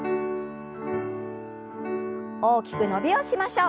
大きく伸びをしましょう。